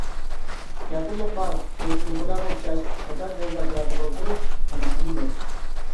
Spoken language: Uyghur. ياپونلۇقلار بىز ئۇيغۇرلارغا ئوخشاش پاكار جوزا ئەتراپىدا ئولتۇرۇپ تاماقلىنىدۇ.